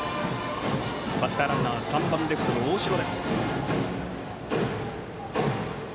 バッターランナーは３番レフトの大城。